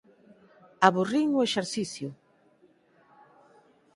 aburrín o exercicio.